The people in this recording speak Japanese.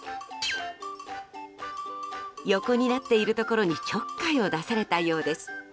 横になっているところにちょっかいを出されたようです。